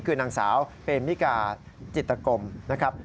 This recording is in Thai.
คือนางสาวเปมิกาจิตกรมนะครับ